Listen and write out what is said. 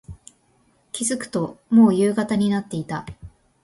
気付くと、もう夕方になっていた。